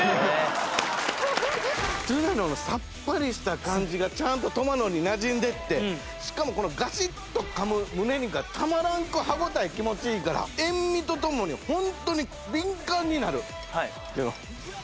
ツナのさっぱりした感じがちゃんとトマトになじんでてしかもこのガシッとかむむね肉がたまらなく歯応え気持ちいいから塩味とともにホントに敏感になる。